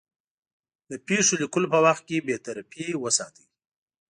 د پېښو لیکلو په وخت کې بېطرفي وساتي.